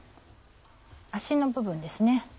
足の部分ですね。